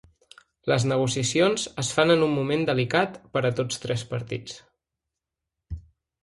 Les negociacions es fan en un moment delicat per a tots trets partits.